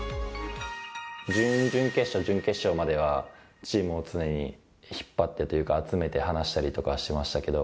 準々決勝、準決勝までは引っ張ってというか、集めて話したりとかはしてましたけど。